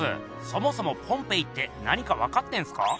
そもそもポンペイって何か分かってんすか？